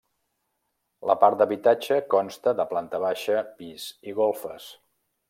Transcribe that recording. La part d'habitatge consta de planta baixa, pis i golfes.